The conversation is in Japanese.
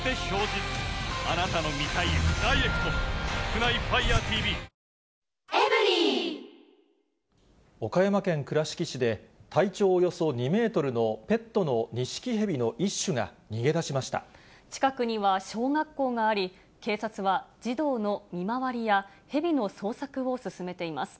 ヘビ、どっから逃げたんです岡山県倉敷市で、体長およそ２メートルのペットのニシキヘビの一種が逃げ出しまし近くには小学校があり、警察は児童の見回りや、ヘビの捜索を進めています。